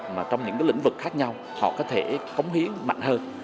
mà trong những lĩnh vực khác nhau họ có thể cống hiến mạnh hơn